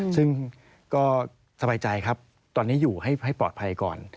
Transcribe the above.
ซึ่งก็สบายใจครับตอนนี้อยู่ให้ปลอดภัยก่อน